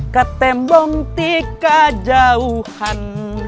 katembong tika jauhan